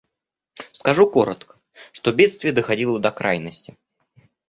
Скажу коротко, что бедствие доходило до крайности.